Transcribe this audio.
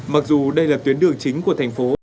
mặc dù đây là tuyến đường chính của thành phố bùn ma thuật